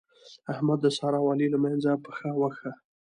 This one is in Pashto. احمد د سارا او علي له منځه پښه وکښه.